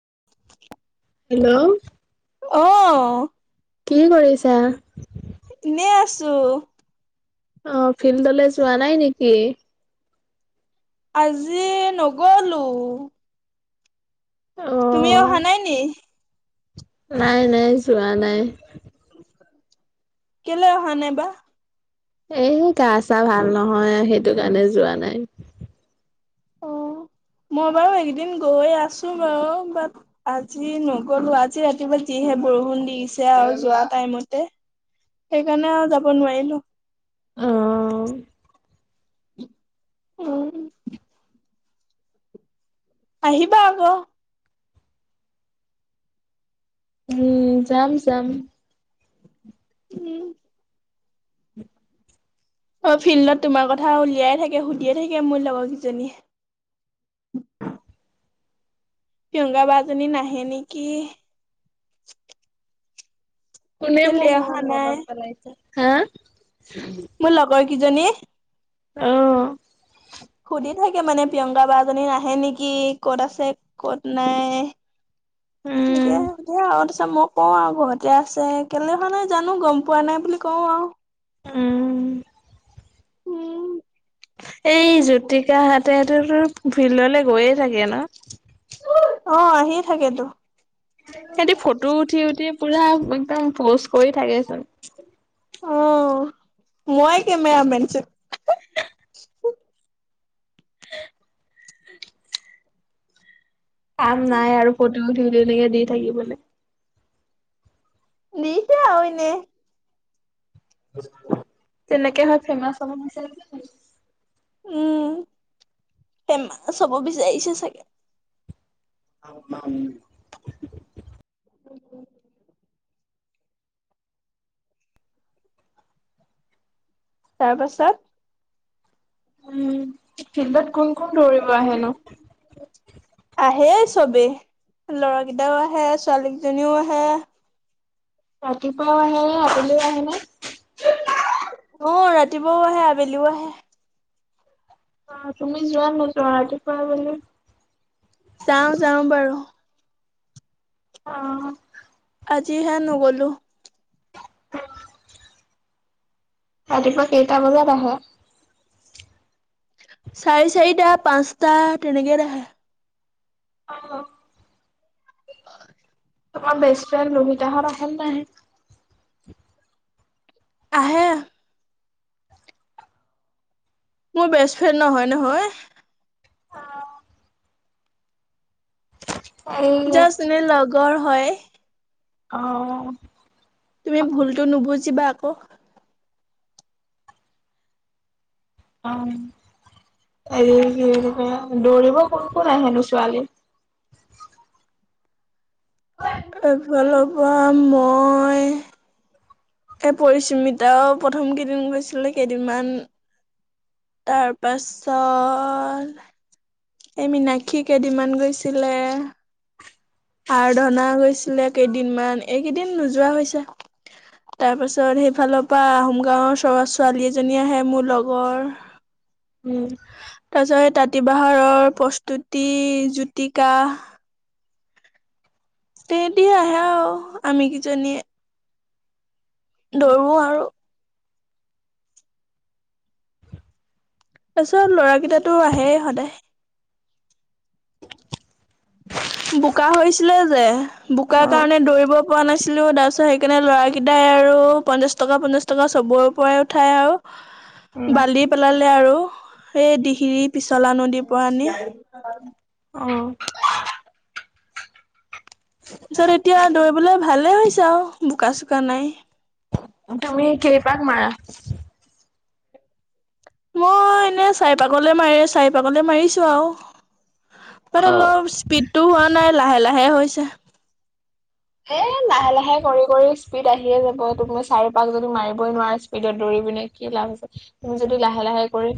[unintelligible] Hello অহ। কি কৰিছা? এনেই আছোঁ। অহ, ফিল্ডলে যোৱা নাই নেকি? আজি নগ'লোঁ। অ তুমিও অহা নাই নি? নাই নাই, যোৱা নাই। কেলে অহা নাই বা? এ' গা-ছা ভাল নহয়, সেইটো কাৰণে যোৱা নাই। অ', মই বাৰু এইকেইদিন গৈ আছোঁ বাৰু। বাট, আজি নগ'লোঁ। আজি ৰাতিপুৱা যিহে বৰষুণ দিছে আৰু যোৱা টাইমতে, সেইকাৰণে আৰু যাব নোৱাৰিলোঁ। অ উম। আহিবা আকৌ। উম, যাম যাম। উম। অ', ফিল্ডত তোমাৰ কথা উলিয়াই থাকে, সুধিয়ে থাকে মোৰ লগৰ কেইজনী। [unintelligible] প্ৰিয়ংকা বা জনী নাহে নেকি? কোনে কেলে মোক অহা ইমান নাই? মনত পেলাইছে? হা? মোৰ লগৰ কেইজনীয়ে। অহ। সুধি থাকে মানে-প্ৰিয়ংকা বা জনী নাহে নেকি? ক'ত আছে, কত নাই। উম এনেকে সুধে, আৰু তাৰ পিছ- ত' মই কওঁ আৰু, ঘৰতে আছে। কেলে অহা নাই জানো, গম পোৱা নাই বুলি কওঁ আৰু। উম। উম। এই জ্যোতিকাহতেতুটো ফিল্ডলে গৈয়ে থাকে ন? য়ে থাকেতো। সিহতি ফটো উঠি উঠি পুৰা এক একদম পোষ্ট কৰি থাকেচোন। অঁ মই কেমেআমেন চোন। [unintelligible] কাম নাই আৰু ক [unintelligible] এনেকে দি থাকিবলে। দিছে আউ এনে। তেনেকে হয় ফেমাচ হ'ব নিচিনা লাগিছে নি? [unintelligible] উম ফেমাচ হ'ব বিচাৰিছে চাগে উম। [unintelligible] তাৰ পাছত? উম ফিল্ডত কোন কোন দৌৰিব আহেনো? আহে চবেই, ল'ৰা কেইটাও আহে ছোৱালী কেইজনীও আহে। ৰাতিপুৱাও আহে আবেলিও আহেনে? অঁ ৰাতিপুৱাও আহে আবেলিও আহে। অঁ তুমি যোৱা ন ত ৰাতিপুৱা [unintelligible] যাওঁ যাওঁ বাৰু। অঁ। আজি হে নগ'লো। ৰাতিপুৱা কেইটা বজাত আহে? চাৰে চাৰিটা পাঁচটা তেনেকেই আহে। অঁহ। তোমাৰ বেষ্ট ফ্ৰেণ্ড লুহিতাহঁত আহে নে নাহে? আহে। মোৰ বেষ্ট ফ্ৰেণ্ড নহয় নহয়। [unintelligible] জাষ্ট এনে লগৰ হয়। অঁ। তুমি ভুলতো নুবুজিবা আ ক' অঁ এই কি বুলি কৈ দৌৰিব কোন কোন আহেনো ছোৱালী? [unintelligible] এফালৰ পৰা মই এ! পৰীস্মিতাওঁ প্ৰথম কেইদিন গৈছিলে, কেইদিনমান তাৰপাছত এই মিনাক্ষী কেইদিনমান গৈছিলে, আৰাধনা গৈছিলে, কেইদিনমান এইকেইদিন নোযোৱা হৈছে। তাৰপাছত সেইফালৰ পৰা আহোম গাঁৱৰ চ- ছোৱালী এজনী আহে মোৰ লগৰ। উম তাৰ পিছত তাত প্ৰতিভাহৰ, প্ৰস্তুতি, জুতিকা। তেহেতি আহে আৰু আমি কিজনীয়ে। দৌৰো আৰু তাৰপিছত লৰাৰাকেইটাতো আগেয়েই সদায়। বোকা হৈছিলে যে অ বোকা কাৰণে দৌৰিব পৰা নাছিলো। তাৰ পিছত সেইকাৰণে লৰা কেইটাই আৰু পঞ্চাশ টকা, পঞ্চাশ টকা চবৰে পৰাই উঠাই আৰু বালি পেলালে আৰু এই দিহিৰি পিছলা নদীৰ পৰা আনি। উম তাৰপিছত এতিয়া দৌৰিবলৈ ভালে হৈছে আৰু বোকা- চোকা নাই। এই কেইপাক মাৰা। মই এনে চাৰি পাগলে মাৰি, চাৰি পাগলে মাৰিছো আৰু বাত আই অ লপ স্পীড টো হোৱা নাই লাহে- লাহে হৈছে। এ লাহে লাহে কৰি কৰি স্পীড আহিয়ে যাব। তুমি চাৰি পাক যদি মাৰিবই নোৱাৰা স্পীডত দৌৰি পিনে কি লাভ হৈছে। তুমি যদি লাহে লাহে কৰি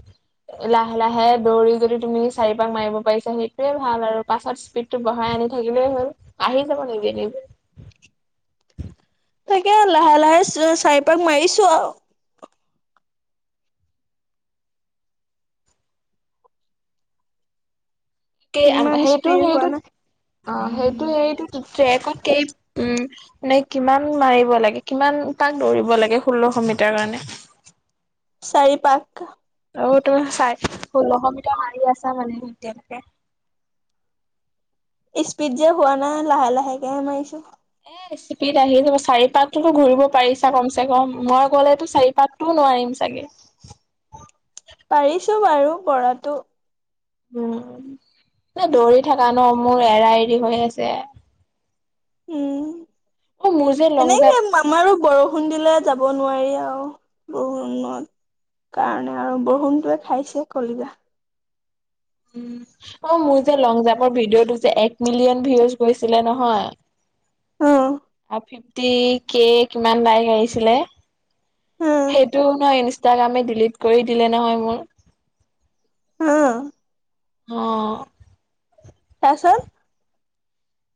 লাহে লাহে দৌৰি যদি তুমি চাৰিপাক মাৰিব পাৰিছা। সেইটোৱে ভাল আৰু পাছত স্পীডটো বঢ়াই আনি থাকিলেই হল আহি যাব নিজে- নিজে তাকে লাহে লাহে চাই পাক মাৰিছো আৰু কেই, ইমান সেইটো, স্পীড হোৱা সেইটো, নাই অ', সেইটো, হেটোক ট্ৰেকত কেই নে কিমান মাৰিব লাগে কিমান তাক দৌৰিব লাগে ষোল্লশ মিটাৰ কাৰণে? চাৰি পাক। আৰু তো চাই ষোল্লশ মিটৰ মাৰি আছা মানে এতিয়ালৈকে। স্পীড যে হোৱা নাই লাহে লাহেকে মাৰিছো। স্পিড আহি যাব চাৰি পাকটোতো ঘূৰিব পাৰিছা। কম চে কম মই গ'লেতটো চাৰিপাকটোও নোৱাৰিম চাগে। পাৰিছো বাৰু পৰাটো। উ'ম। নাই দৌৰি থকা ন। মোৰ এৰা-এৰি হৈ আছে। উ'ম অ মোৰ যে লং এনেকে জাপ আমাৰো বৰষুণ দিলে। যাব নোৱাৰি আৰু বৰষুণত কাৰণে আৰু বৰষুণটোৱে খাইছে কলিজা। উ'ম। অ' মোৰ যে লং জামৰ ভিডিঅ' টো যে এক মিলিয়ন ভিউচ গৈছিলে ন। হয়। অ ফিফটি কে কিমান লাইক আহিছিলে। অ সেইটো নহয় ইনষ্টাগ্ৰামে দিলিট কৰি দিলে নহয় মোৰ। [unintelligible] অ'। তাৰ পাছত।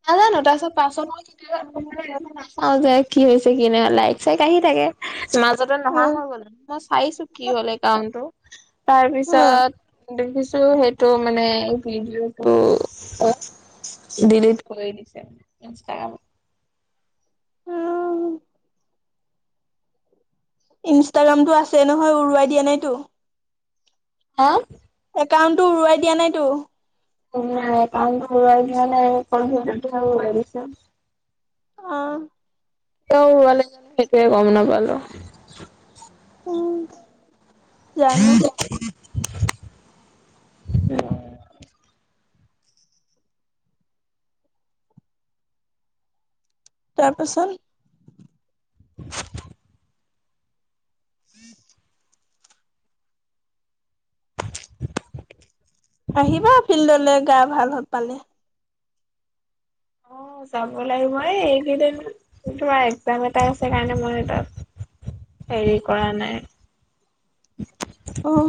নাজানো তাৰ পিছত। পাছপোৰ্ট অ' যে কি হৈছে কি নাই? লাইক চাইক আহি থাকে। মাজতে অ নহা হৈ গল মই চাইছো কি হল এই কাৰণতটো অ তাৰপিছত দেখিছো সেইটো মানে ভিডিঅ'টো অ দিল্লীত ইনষ্টাগ্ৰাম ইনষ্টাগ্ৰামতটো আছে নহয় উৰুৱাই দিয়া নাইতো হা একাউণ্টটো উৰুৱাই দিয়া নাইতো কাম ঘোৱা নাই ক দিছ [unintelligible] অহ এতিয়ালে গম নাপ উম জানো [unintelligible] [unintelligible] [inaudible] তাৰপাছত [unintelligible] [unintelligible] আহিবা ফিল্ডলৈ গা ভাল পালে অ যাব লাগিব মই এই এইকেইদিন তোমাৰ একজাম এটা আছে কাৰণে মই তাত হেৰি কৰা নাই অহ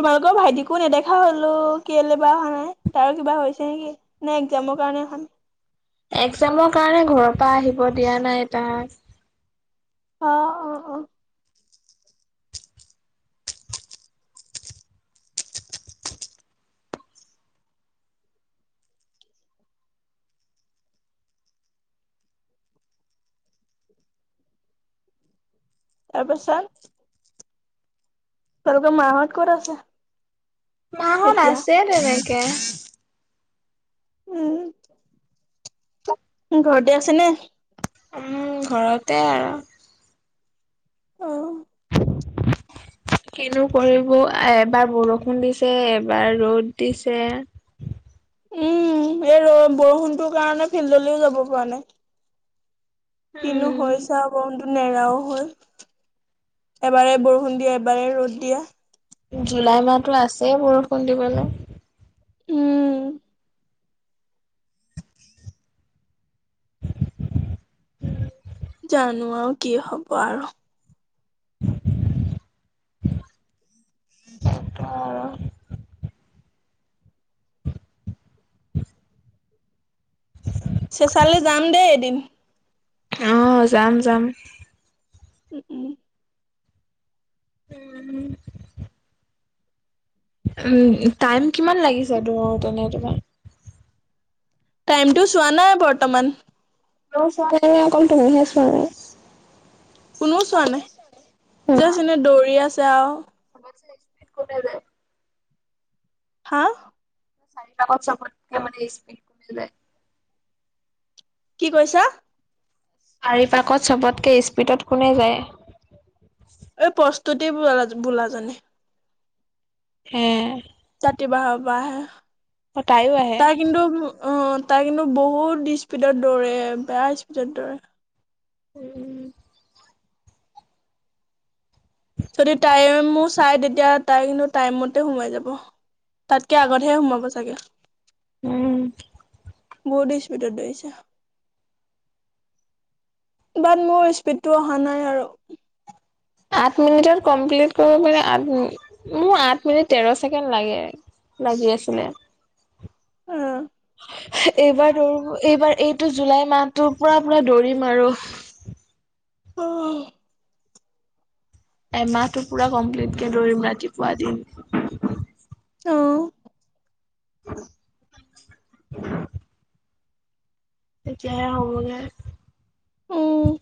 তোমালোকৰ ভাইটিকো নেদেখা হলো কেলে বা অহা নাই তাৰো কিবা হৈছে নেকি নাই একজামৰ কাৰণে অহা নাই এক্জামৰ কাৰণে ঘৰৰ পৰা আহি দিয়া নাই এ তাক অ অ অ তাৰপাছত তোমালোকৰ মাহত ক'ত আছে মাহত এতিয়া আছে তেনে [unintelligible] উম ঘৰতে আছে নে উ ঘৰতে আৰু অহ কিনো কৰিব এবাৰ বৰষুণ দিছে এবাৰ ৰ'দ দিছে উম এই বৰষুণটোৰ কাৰণে ফিল্ডলৈও যাব পৰা নাই কিনো হৈছা উম নেৰাও হল এবাৰে বৰষুণ দিয়া এবাৰে ৰ'দ দিয়া জুলাই মাহতো আছে এই বৰষুণ দিবলৈ উম জানো আৰু কি হব আৰু [unintelligible] [unintelligible] চেচালৈ যাম দেই এদিন আহ যাম যাম উম উম উম উম টাইম কিমান লাগিছে তোৰ তেনে তোমাৰ টাইম টু চোৱা নাই বৰ্তমান চোৱা নাই নে অকল তুমিহে চোৱা নাই কোনও চোৱা নাই যেচ এনে দৌৰিয়া যাওক লক্ষ্মত কোঠ যোয় হা চাৰিত চবতকে মানে স্পীড ক ম যায় কি কৈছা শাৰিপাকত চবতকে স্পীডত কোনে যায় এই প্ৰস ততেই ব বোলাজানে হম জাতি বাহ বা আহে অ তাইও ত আহে কিন্তু অ তাই কিন্তু বহুত স্পীডত দৌৰে বেয়া স্পীডত দৌৰে উম যদি াইম মোৰ চাই তেতিয়া তাই কিন্তু টাইমতে সোমাই যাব তাতকে আগতহে সোমাব চাগে উম বহুত স্পীডত ধৰিছে বাট মোৰ স্পীডতটো অহা নাই আৰু আাত মিনিটৰ কমপ্লিট আিন মোৰ আঠ মিনিট তেৰ ছেকেণ্ড লাগে লাগি আছিলে অ এইবাৰ দৌৰিো এইবাৰ এইটো জুলাই মাহটো পুৰা পুৰা দৌৰিম আৰু অ এমাহটো পুৰা কমপ্লিট কেে লৰিম ৰাতিপুৱা দিন অ জ হগ উম